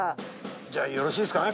じゃよろしいですかね？